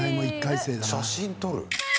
写真、撮る？